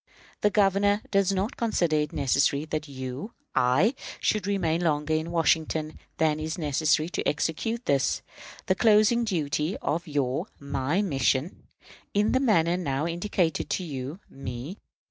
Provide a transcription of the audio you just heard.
"The Governor does not consider it necessary that you (I) should remain longer in Washington than is necessary to execute this, the closing duty of your (my) mission, in the manner now indicated to you (me).